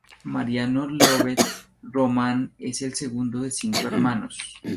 Mariano Llobet Román es el segundo de cinco hermanos.